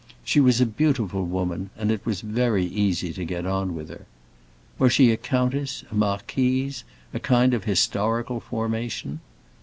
She was a beautiful woman, and it was very easy to get on with her. Was she a countess, a marquise, a kind of historical formation?